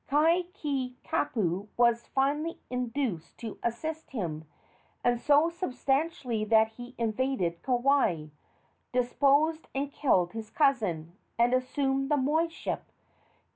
Kaihikapu was finally induced to assist him, and so substantially that he invaded Kauai, deposed and killed his cousin, and assumed the moiship.